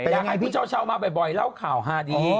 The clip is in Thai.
เป็นยังไงพี่เช้ามาบ่อยเล่าข่าวฮาดี